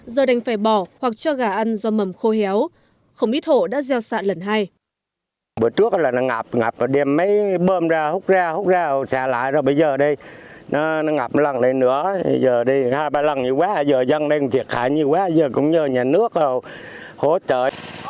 do đành phải bỏ hoặc cho gà ăn do mầm khô héo không ít hộ đã gieo xạ lần hai